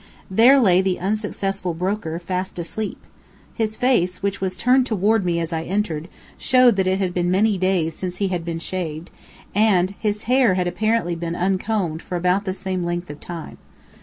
There lay the unsuccessful broker fast asleep. His face, which was turned toward me as I entered, showed that it had been many days since he had been shaved, and his hair had apparently been uncombed for about the same length of time.